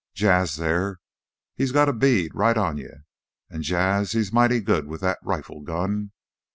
Jas' thar, he's got a bead right on yuh, an' Jas' he's mighty good with that rifle gun.